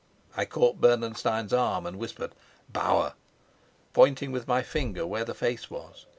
I caught Bernenstein's arm and whispered, "Bauer," pointing with my finger where the face was.